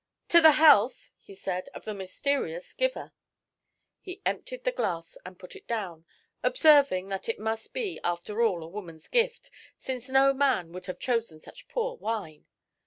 "To the health," he said, "of the mysterious giver." He emptied the glass and put it down, observing that it must be, after all, a woman's gift, since no man would have chosen such poor wine.